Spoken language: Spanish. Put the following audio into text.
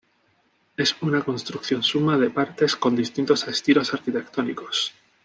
Es una construcción suma de partes con distintos estilos arquitectónicos.